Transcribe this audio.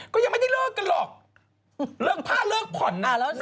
ก็จะตั้งงาน